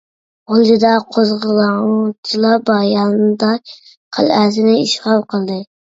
غۇلجىدا قوزغىلاڭچىلار بايانداي قەلئەسىنى ئىشغال قىلدى.